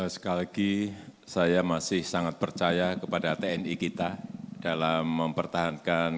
sekali lagi saya masih sangat percaya kepada tni kita dalam mempertahankan